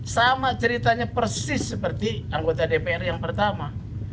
sama ceritanya persis seperti anggota dpr yang pertama